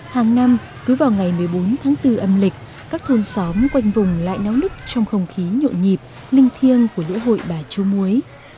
hàng năm cứ vào ngày một mươi bốn tháng bốn âm lịch các thôn xóm quanh vùng lại náo nức trong không khí nhộn nhịp linh thiêng của lễ hội bà chú muối